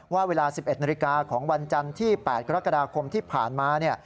ว่าเวลา๑๑นาฬิกาของวันจันทร์ที่๘กรกฎาคมที่ผ่านมา